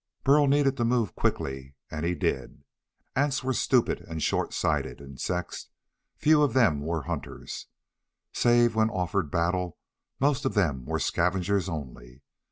Burl needed to move quickly and he did. Ants were stupid and short sighted insects; few of them were hunters. Save when offered battle, most of them were scavengers only.